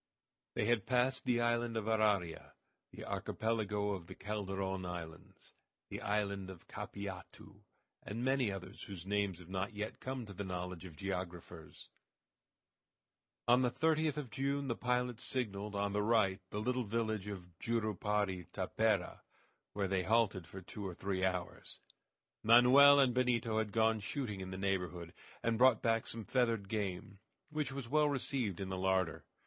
They had passed the island of Araria, the Archipelago of the Calderon islands, the island of Capiatu, and many others whose names have not yet come to the knowledge of geographers. On the 30th of June the pilot signaled on the right the little village of Jurupari Tapera, where they halted for two or three hours. Manoel and Benito had gone shooting in the neighborhood, and brought back some feathered game, which was well received in the larder.